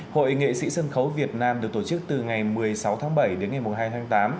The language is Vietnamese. hội nghệ sĩ sân khấu việt nam được tổ chức từ ngày một mươi sáu tháng bảy đến ngày một mươi hai tháng